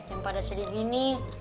tim pada sedih gini